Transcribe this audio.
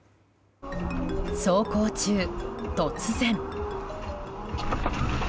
走行中、突然。